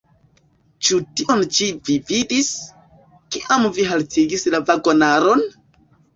Ĉu tion ĉi vi vidis, kiam vi haltigis la vagonaron?